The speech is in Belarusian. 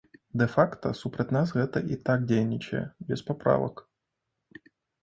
Дэ-факта супраць нас гэта і так дзейнічае, без паправак.